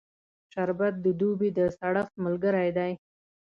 شربت د دوبی د سړښت ملګری دی